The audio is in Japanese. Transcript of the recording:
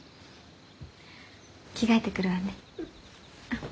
着替えてくるわね。